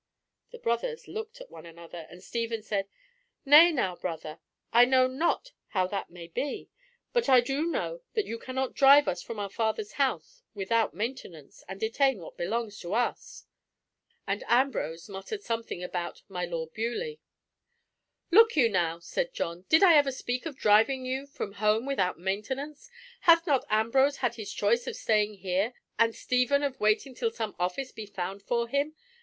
The brothers looked at one another, and Stephen said, "Nay, now, brother, I know not how that may be, but I do know that you cannot drive us from our father's house without maintenance, and detain what belongs to us." And Ambrose muttered something about "my Lord of Beaulieu." "Look you, now," said John, "did I ever speak of driving you from home without maintenance? Hath not Ambrose had his choice of staying here, and Stephen of waiting till some office be found for him?